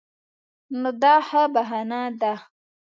نو دا ښه بهانه ده.